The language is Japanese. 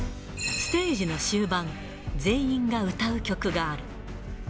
ステージの終盤、全員が歌う曲がある。